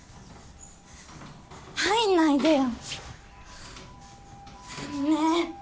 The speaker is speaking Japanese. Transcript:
入んないでよ。ねぇ！